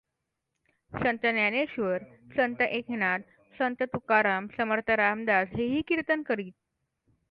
संत ज्ञानेश्वर, संत एकनाथ, संत तुकाराम, समर्थ रामदास हेही कीर्तन करीत.